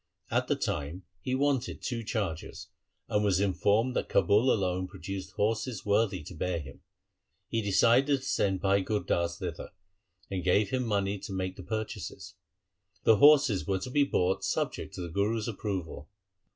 At the time he wanted two chargers, and was informed that Kabul alone produced horses worthy to bear him. He decided to send Bhai Gur Das thither, and gave him money to make the purchases. The horses were to be bought subject to the Guru's approval.